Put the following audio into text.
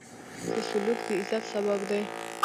ښه سلوک د عزت سبب دی.